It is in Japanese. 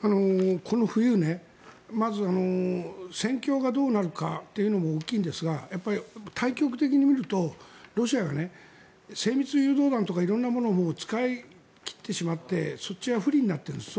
この冬まず戦況がどうなるかというのも大きいんですが大局的に見るとロシアが精密誘導弾とか色んなものを使い切ってしまってそちらは不利になっているんです。